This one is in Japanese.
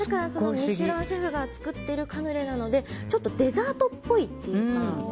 ミシュランシェフが作っているカヌレなのでデザートっぽいというか。